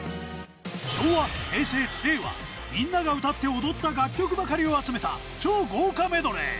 昭和、平成、令和、みんなが歌って踊った楽曲ばかりを集めた、超豪華メドレー。